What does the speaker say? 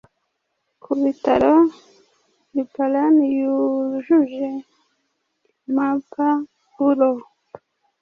ku bitaro leparan yujuje impapauro